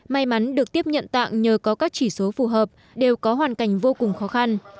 may mắn được tiếp nhận tạng nhờ có các chỉ số phù hợp đều có hoàn cảnh vô cùng khó khăn